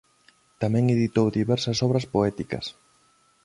Tamén editou diversas obras poéticas.